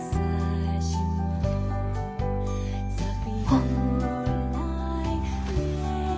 あっ。